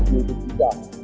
đều được tìm đạt